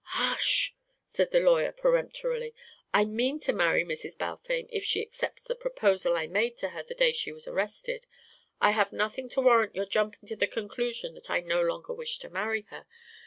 "Hush!" said the lawyer peremptorily. "I mean to marry Mrs. Balfame if she accepts the proposal I made to her the day she was arrested. I have said nothing to warrant your jumping to the conclusion that I no longer wish to marry her.